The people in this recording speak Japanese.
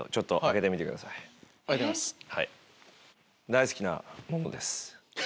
大好きなものです。